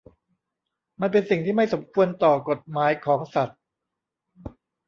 มันเป็นสิ่งที่ไม่สมควรต่อกฎหมายของสัตว์